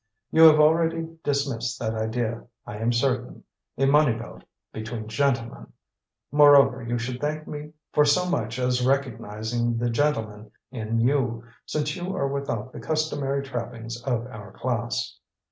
"You have already dismissed that idea, I am certain. A money belt, between gentlemen! Moreover, you should thank me for so much as recognizing the gentleman in you, since you are without the customary trappings of our class."